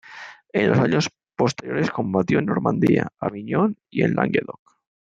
En los años posteriores combatió en Normandía, Aviñón y el Languedoc.